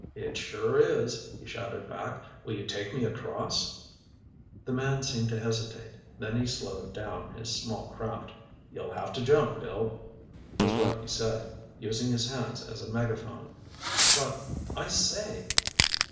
"It sure is," he shouted back. "Will you take me across?" The man seemed to hesitate. Then he slowed down his small craft. "You'll have to jump, Bill," was what he said, using his hands as a megaphone. "But—I say!"